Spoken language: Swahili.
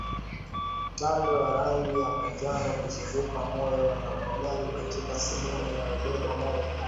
Tando ya rangi ya manjano kuzunguka moyo na majimaji katika sehemu inayobeba moyo